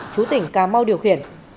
chú tỉnh cà mau điều khiển